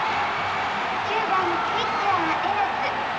９番ピッチャー江夏」。